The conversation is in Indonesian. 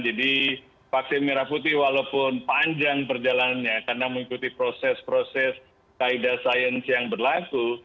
jadi vaksin merah putih walaupun panjang perjalanannya karena mengikuti proses proses kaedah sains yang berlaku